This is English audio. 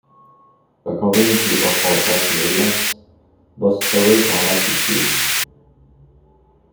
According to author Jacqueline Williams, both stories are likely true.